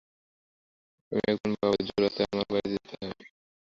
আমি একজন বাবা, জো রাতে আমার বাড়ি যেতে হয়।